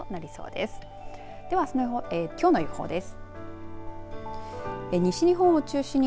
では、きょうの予報です。